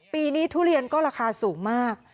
ปีนี้ทุเรียนก็ราคาสูงมาก